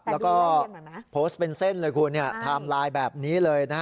แล้วก็โพสต์เป็นเส้นเลยคุณไทม์ไลน์แบบนี้เลยนะฮะ